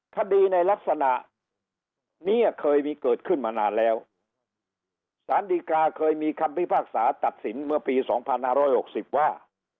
คดีในลักษณะนี้เคยมีเกิดขึ้นมานานแล้วสารดีกาเคยมีคำพิพากษาตัดสินเมื่อปี๒๕๖๐ว่า